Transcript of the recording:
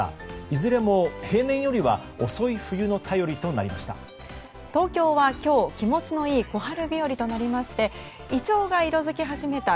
いずれも平年よりは遅い冬の便りとなりました。